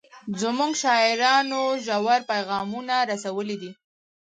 زموږ شاعرانو ژور پیغامونه رسولي دي.